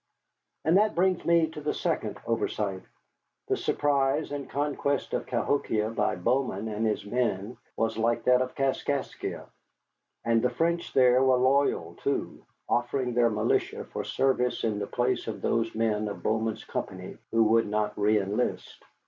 And that brings me to the second oversight. The surprise and conquest of Cahokia by Bowman and his men was like that of Kaskaskia. And the French there were loyal, too, offering their militia for service in the place of those men of Bowman's company who would not reënlist.